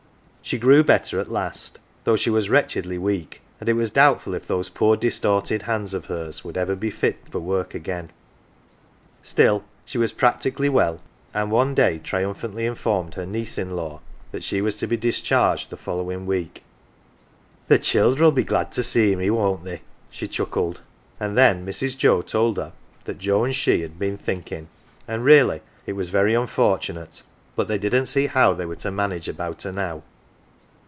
She grew better at last, though she was wretchedly weak, and it was doubtful if those poor distorted hands of hers would ever be fit for work again. Still, she was practically well, and one day triumphantly informed her niece in law that she was to be discharged in the following week. " The childerll be glad to see me, won't they ?" she chuckled. And then Mrs. Joe told her that Joe and she had 153 AUNT JINNY thinking, and really it was very unfortunate, but they didn't see how they were to manage about her now.